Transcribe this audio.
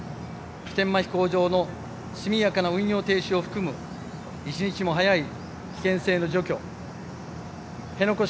普天間飛行場の速やかな運用停止を含む一日も早い危険性の除去辺野古